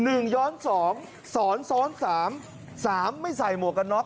หนึ่งย้อนสองสอนสอนสามสามไม่ใส่หมวกกะน็อก